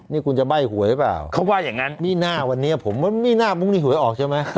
นี่คุณจะใบ้หวยหรือเปล่ามิน่าวันนี้ผมมิน่าวันนี้หวยออกใช่ไหม